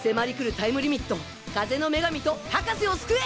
タイムリミット風の女神と博士を救え！